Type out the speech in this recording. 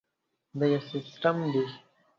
دا یو سیسټم دی.